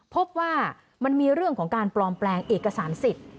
พบว่ามันมีเรื่องของการปลอมแปลงเอกสารสิทธิ์